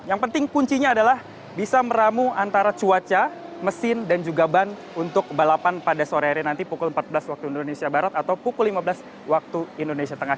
yang penting kuncinya adalah bisa meramu antara cuaca mesin dan juga ban untuk balapan pada sore hari nanti pukul empat belas waktu indonesia barat atau pukul lima belas waktu indonesia tengah